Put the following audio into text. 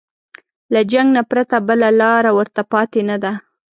له جنګ نه پرته بله لاره ورته پاتې نه ده.